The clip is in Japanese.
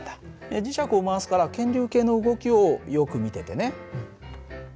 磁石を回すから検流計の動きをよく見ててね。